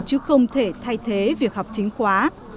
chứ không thể thay thế việc học chính khóa